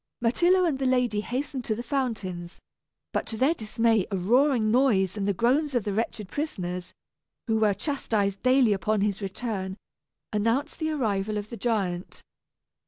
Myrtillo and the lady hastened to the fountains; but to their dismay a roaring noise and the groans of the wretched prisoners, who were chastised daily upon his return, announced the arrival of the giant.